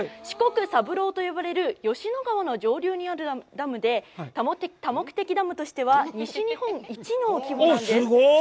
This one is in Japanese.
四国三郎と呼ばれる吉野川の上流にあるダムで、多目的ダムとしては西日本一の規模なんです。